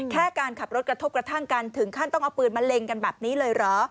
แค่การขับรถกระทบกระทั่งกันถึงขั้นต้องเอาปืนมาเล็งกันแบบนี้เลยเหรอ